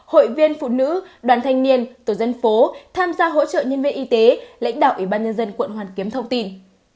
hội viên phụ nữ đoàn thanh niên tổ dân phố tham gia hỗ trợ nhân viên y tế lãnh đạo ủy ban nhân dân quận hoàn kiếm thông tin